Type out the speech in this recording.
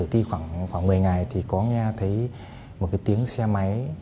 đi khoảng một mươi ngày thì có nghe thấy một cái tiếng xe máy